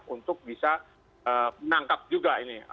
untuk bisa menangkap juga ini